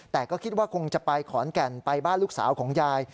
แต่ก็คิดว่าคงจะไปขอนแก่นไปบ้านลูกสาวของยาย